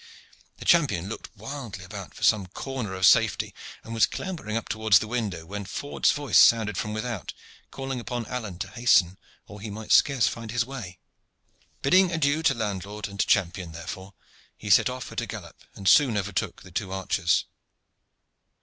The champion looked wildly about for some corner of safety, and was clambering up towards the window, when Ford's voice sounded from without, calling upon Alleyne to hasten, or he might scarce find his way. Bidding adieu to landlord and to champion, therefore, he set off at a gallop, and soon overtook the two archers.